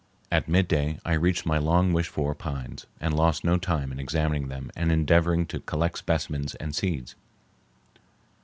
At midday I reached my long wished for pines and lost no time in examining them and endeavoring to collect specimens and seeds.